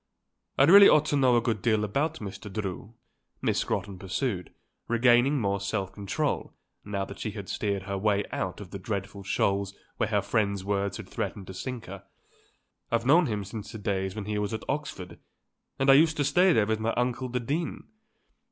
I really ought to know a good deal about Mr. Drew," Miss Scrotton pursued, regaining more self control, now that she had steered her way out of the dreadful shoals where her friend's words had threatened to sink her; "I've known him since the days when he was at Oxford and I used to stay there with my uncle the Dean.